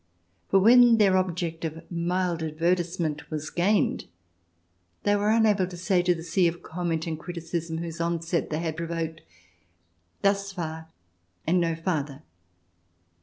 For when their object of mild advertisement was gained, they were unable to say to the sea of comment and criticism whose onset they had provoked: "Thus far and no farther!"